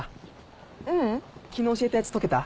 ううん昨日教えたやつ解けた？